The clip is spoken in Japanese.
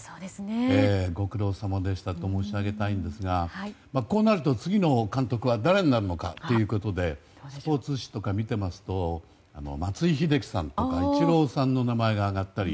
ご苦労様でしたと申し上げたいんですがこうなると次の監督は誰になるのかということでスポーツ紙とか見ていますと松井秀喜さんとかイチローさんの名前が挙がったり。